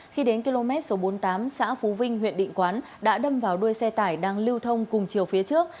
khi đến km số bốn mươi tám xã phú vinh huyện định quán đã đâm vào đuôi xe tải đang lưu thông cùng chiều phía trước